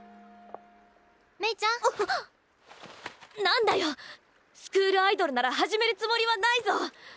何だよスクールアイドルなら始めるつもりはないぞ。